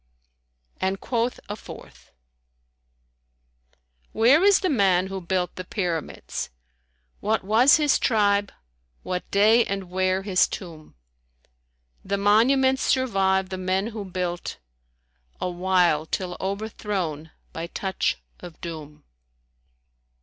And quoth a fourth, "Where is the man who built the Pyramids? * What was his tribe, what day and where his tomb? The monuments survive the men who built * Awhile, till overthrown by touch of Doom."